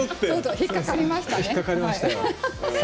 引っ掛かりましたね。